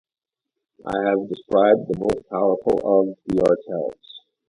I have described the most powerful of the Artels.